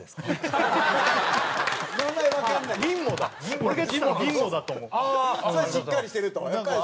それはしっかりしてると。